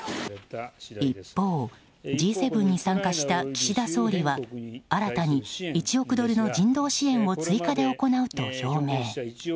一方、Ｇ７に参加した岸田総理は新たに１億ドルの人道支援を追加で行うと表明。